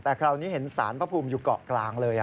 แต่คราวนี้เห็นสารพระภูมิอยู่เกาะกลางเลย